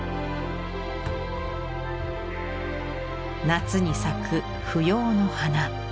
夏に咲く芙蓉の花。